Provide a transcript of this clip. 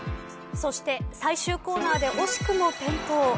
そして最終コーナーで惜しくも転倒。